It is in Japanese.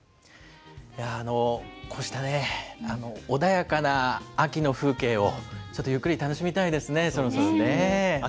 こうした穏やかな秋の風景を、ちょっとゆっくり楽しみたいですね、そろそろね。